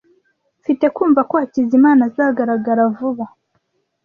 Mfite kumva ko Hakizimana azagaragara vuba.